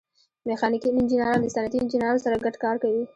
میخانیکي انجینران له صنعتي انجینرانو سره ګډ کار کوي.